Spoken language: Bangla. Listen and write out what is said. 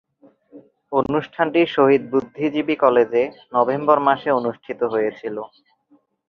অনুষ্ঠানটি শহীদ বুদ্ধিজীবী কলেজে নভেম্বর মাসে অনুষ্ঠিত হয়েছিলো।